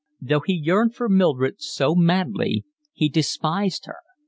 Though he yearned for Mildred so madly he despised her.